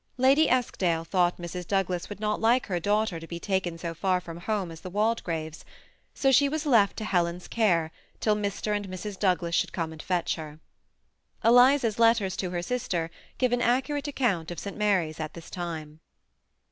Lady Eskdale thought Mrs. Douglas would not like her daughter to be taken so far from home as the Waldegraves', so she was left to Helen's care till Mr. and Mrs. Douglas should come and fetch her. Eliza's letters to her sister give an accurate account of St. Mary's at this time.